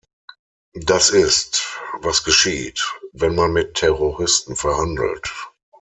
Das ist, was geschieht, wenn man mit Terroristen verhandelt.